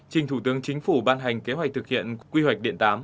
trình thủ tướng chính phủ ban hành kế hoạch thực hiện quy hoạch điện tám